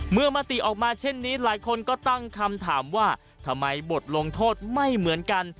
มติออกมาเช่นนี้หลายคนก็ตั้งคำถามว่าทำไมบทลงโทษไม่เหมือนกัน